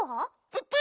ププ！